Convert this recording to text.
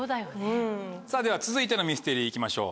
さぁでは続いてのミステリー行きましょう。